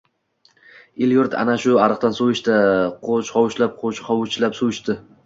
El-yurt ana shu ariqdan suv ichdi. Qo‘shhovuchlab-qo‘shhovuchlab suv ichdi.